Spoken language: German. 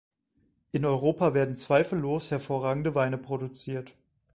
In Europa werden zweifellos hervorragende Weine produziert.